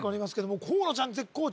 今日河野ちゃん